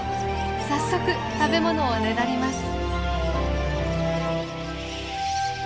早速食べ物をねだります。